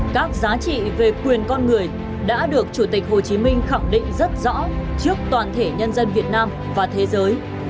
các giá trị về quyền con người đã được chủ tịch hồ chí minh khẳng định rất rõ trước toàn thể nhân dân việt nam và thế giới